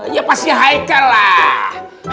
ya pasti aikal lah